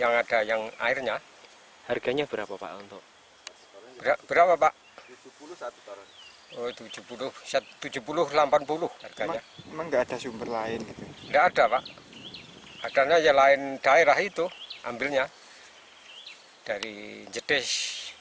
akhirnya yang lain daerah itu ambilnya dari jedesh